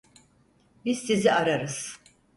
Biz sizi ararız.